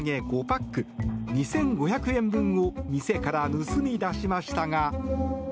５パック２５００円分を店から盗み出しましたが。